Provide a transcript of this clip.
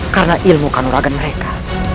karena ilmu kanuragan mereka